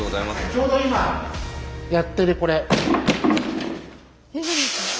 ちょうど今やってるこれ。